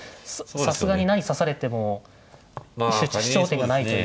さすがに何指されても主張点がないという。